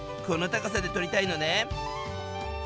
この高さで撮りたいのね。